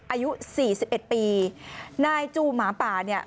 อายุสี่สิบเอ็ดปีนายจูหมาป่าเนี่ย